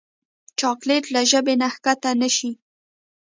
چاکلېټ له ژبې نه کښته نه شي.